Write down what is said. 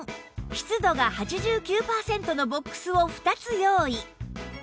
湿度が８９パーセントのボックスを２つ用意